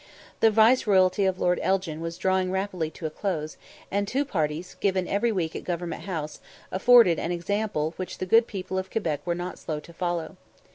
The viceroyalty of Lord Elgin was drawing rapidly to a close, and two parties, given every week at Government House, afforded an example which the good people of Quebec were not slow to follow.